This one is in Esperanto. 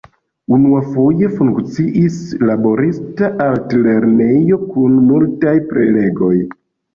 Unuafoje funkciis laborista altlernejo, kun multaj prelegoj.